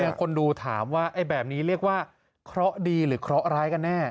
เนี่ยคนดูถามว่าไอ้แบบนี้เรียกว่าคล้อดีหรือคล้อร้ายกันแน่